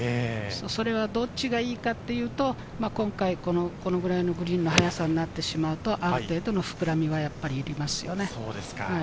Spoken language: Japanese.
それはどちらがいいかというと、このくらいのグリーンの速さになってしまうと、ある程度の膨らみはいりますね。